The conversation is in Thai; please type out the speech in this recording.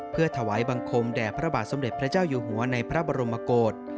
เพื่อถวายบังคมแด่พระบาทสมเด็จพระเจ้าอยู่หัวในพระบรมโกศ